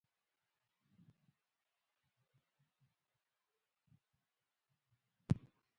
په تېرو کلونو کې ازادي راډیو د کلتور په اړه راپورونه خپاره کړي دي.